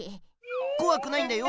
こわくないんだよ